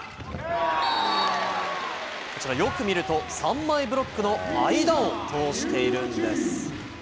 こちら、よく見ると、３枚ブロックの間を通しているんです。